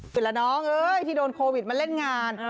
หรือละน้องที่โดนโควิดมาเล่นงาน